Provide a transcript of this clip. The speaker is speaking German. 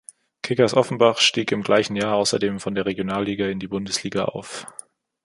Kickers Offenbach stieg im gleichen Jahr außerdem von der Regionalliga in die Bundesliga auf.